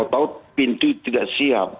kalau tahu pintu tidak siap